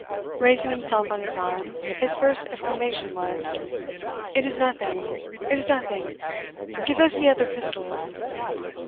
Raising himself on his arm, his first exclamation was, "It is nothing it is nothing give us the other pistols."